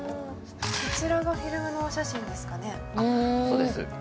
こちらがフィルムのお写真ですかね。